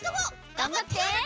がんばって！